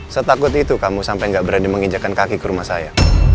setakut itu kamu sampai gak berani menginjakan kaki ke rumah saya